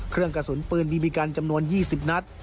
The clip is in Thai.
เครื่องกระสุนปืนบีบีกันจำนวน๒๐นัด